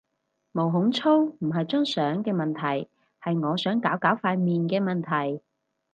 毛孔粗唔係張相嘅問題，係我想搞搞塊面嘅問題